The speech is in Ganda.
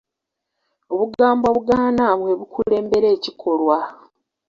Obugambo obugaana bwe bukulembera ekikolwa.